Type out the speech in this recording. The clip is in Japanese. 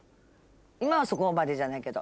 今はそこまでじゃないけど。